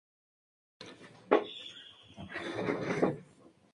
Welker fue despedido tras el primer partido de la temporada.